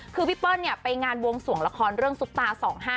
คือพี่เปิ้ลไปงานวงส่วงละครซุปตา๒๕๕๐